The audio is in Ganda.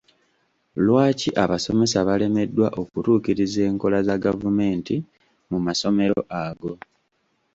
Lwaki abasomesa balemeddwa okutuukiriza enkola za gavumenti mu masomero ago?